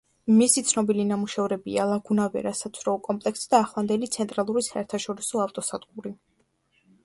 მისი ცნობილი ნამუშევრებია „ლაგუნა ვერას“ საცურაო კომპლექსი და ახლანდელი „ცენტრალური საერთაშორისო ავტოსადგური“.